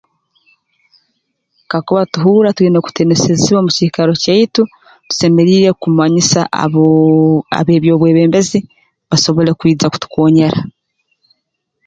Kakuba tuhurra twina kutiinisirizibwa mu kiikaro kyaitu tusemeriire kumanyisa abooo ab'eby'obwebembezi basobole kwija kutukoonyera